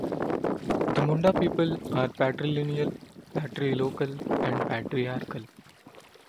The Munda people are patrilineal, patrilocal and patriarchal.